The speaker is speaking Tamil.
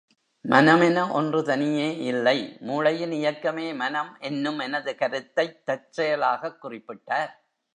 மனம் என ஒன்று தனியே இல்லை மூளையின் இயக்கமே மனம் என்னும் எனது கருத்தைத் தற்செயலாகக் குறிப்பிட்டார்.